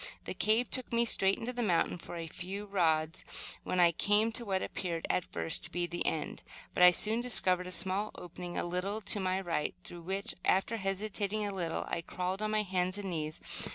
The cave took me straight into the mountain for a few rods, when I came to what appeared at first to be the end; but I soon discovered a small opening a little to my right, through which, after hesitating a little, I crawled on my hands and knees.